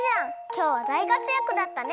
きょうはだいかつやくだったね！